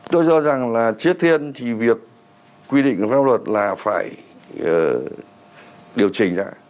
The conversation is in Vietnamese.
tôi do rằng là trước tiên thì việc quy định pháp luật là phải điều chỉnh ra